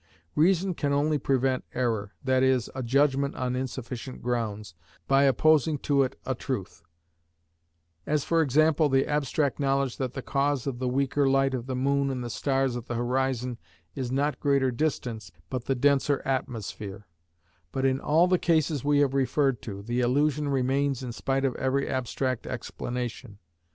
Reason can only prevent error, that is, a judgment on insufficient grounds, by opposing to it a truth; as for example, the abstract knowledge that the cause of the weaker light of the moon and the stars at the horizon is not greater distance, but the denser atmosphere; but in all the cases we have referred to, the illusion remains in spite of every abstract explanation.